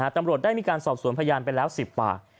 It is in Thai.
ตำรวจได้มีการสอบสวนพยานไปแล้ว๑๐ปาก